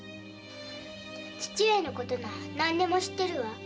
父上のことなら何でも知ってるわ。